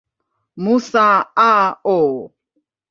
Musa, A. O.